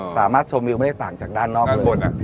สามารถชมวิวไม่ได้ต่างจากด้านนอกเลย